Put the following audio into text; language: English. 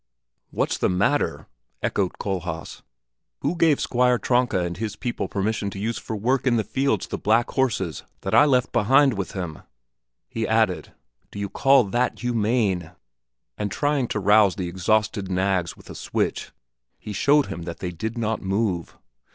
"What's the matter?" echoed Kohlhaas. "Who gave Squire Tronka and his people permission to use for work in the fields the black horses that I left behind with him?" He added, "Do you call that humane?" and trying to rouse the exhausted nags with a switch, he showed him that they did not move.